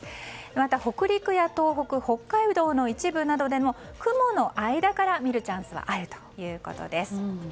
また、北陸や東北北海道の一部などでも雲の間から見るチャンスはあるということです。